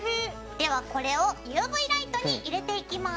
ではこれをＵＶライトに入れていきます。